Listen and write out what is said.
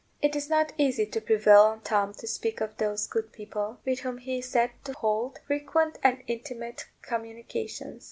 It is not easy to prevail on Tom to speak of those good people, with whom he is said to hold frequent and intimate communications.